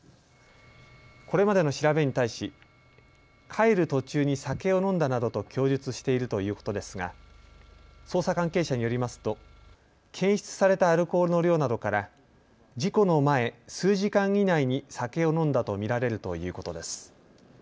これまでの調べに対し帰る途中に酒を飲んだなどと供述しているということですが捜査関係者によりますと検出されたアルコールの量などから事故の前、数時間以内に酒を飲んだと見られるということです。